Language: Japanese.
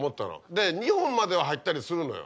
で２本までは入ったりするのよ。